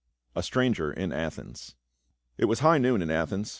A STRANGER IN ATHENS. IT was high noon in Athens.